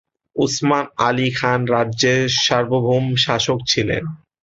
উসমান আলি খান রাজ্যের সার্বভৌম শাসক ছিলেন।